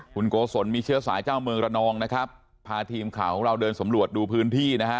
คุณโกศลมีเชื้อสายเจ้าเมืองระนองนะครับพาทีมข่าวของเราเดินสำรวจดูพื้นที่นะฮะ